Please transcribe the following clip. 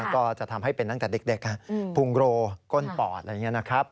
ก็จะทำให้เป็นตั้งแต่เด็กพุงโรก้นปอดอะไรอย่างนี้นะครับ